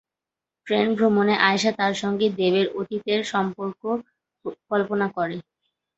Train ভ্রমণে আয়শা তার সঙ্গে দেবের অতীতের সম্পর্ক কল্পনা করে।